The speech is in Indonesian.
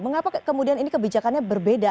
mengapa kemudian ini kebijakannya berbeda